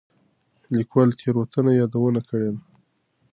ليکوال تېروتنه يادونه کړې ده.